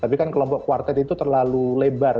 tapi kan kelompok kuartet itu terlalu lebar